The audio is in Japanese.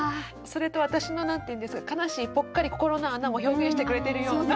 それと私の何て言うんですか悲しいぽっかり心の穴も表現してくれてるような。